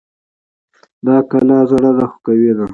دا کلا زړه ده خو قوي ده